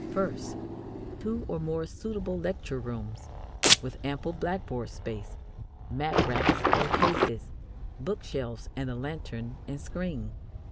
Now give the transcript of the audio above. First, two or more suitable lecture rooms, with ample blackboard space, map racks or cases, book shelves, and a lantern and screen.